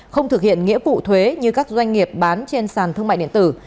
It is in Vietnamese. không thực hiện nghĩa vụ thuế như các doanh nghiệp bán trên sàn thương mại điện tử